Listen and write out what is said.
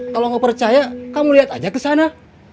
kalau nggak percaya kamu lihat aja ke sana